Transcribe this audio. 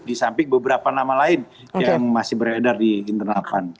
disamping beberapa nama lain yang masih beredar di internal kan